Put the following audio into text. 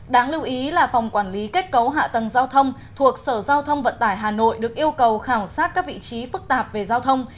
đáng lưu ý là phòng quản lý kết cấu hạ tầng giao thông thuộc sở giao thông vận tải hà nội được yêu cầu khảo sát các vị trí phức tạp về giao thông